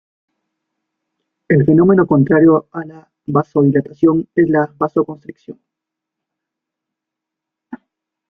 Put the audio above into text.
El fenómeno contrario a la vasodilatación es la vasoconstricción.